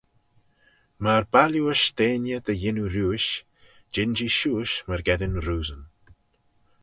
Myr bailliuish deiney dy yannoo riuish, jean-jee shiuish myrgeddin roosyn.